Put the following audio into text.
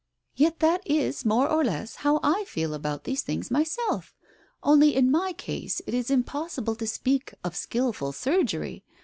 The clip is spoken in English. "Yet that is, more or less, how I feel about these things myself. Only in my case it is impos sible to speak of skilful surgery